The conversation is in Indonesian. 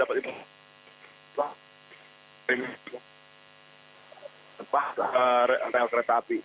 tempat rel kereta api